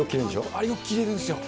あれ、よく切れるんですよ。